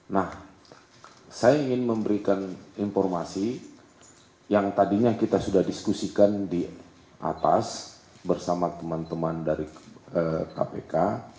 nah saya ingin memberikan informasi yang tadinya kita sudah diskusikan di atas bersama teman teman dari kpk